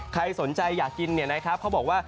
ใครสนใจอยากกินพี่บิ๊บบอกว่า